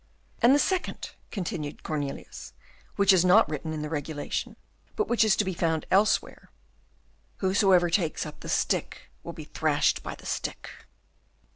"And the second," continued Cornelius, "which is not written in the regulation, but which is to be found elsewhere: "'Whosoever takes up the stick will be thrashed by the stick.